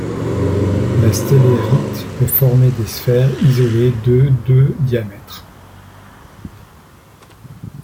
La stellérite peut former des sphères isolée de de diamètre.